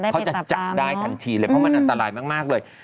เขาจะจับได้ทันทีเลยเพราะมันอันตรายมากเลย